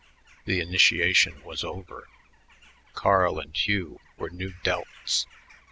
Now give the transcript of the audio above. The initiation was over; Carl and Hugh were Nu Delts.